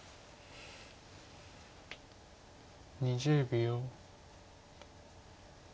２０秒。